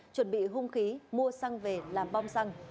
chuẩn bị hung khí mua xăng về làm bom xăng